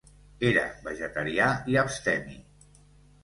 Era vegetarià i abstemi.